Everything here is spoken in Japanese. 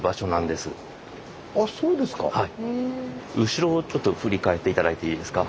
後ろをちょっと振り返って頂いていいですか。